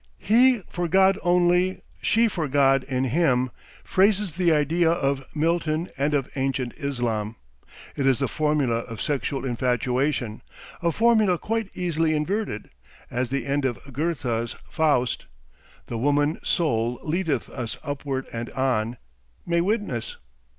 "He for God only; she for God in him," phrases the idea of Milton and of ancient Islam; it is the formula of sexual infatuation, a formula quite easily inverted, as the end of Goethe's Faust ("The woman soul leadeth us upward and on") may witness.